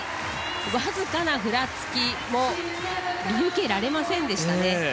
わずかなふらつきも見受けられませんでした。